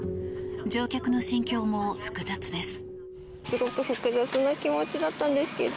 乗客の心境も複雑です。